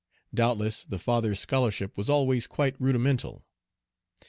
Doubtless, the father's scholarship was always quite rudimental.